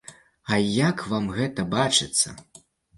А як вам гэта бачыцца?